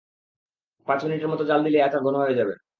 পাঁচ মিনিটের মতো জ্বাল দিলেই আচার ঘন হয়ে যাবে।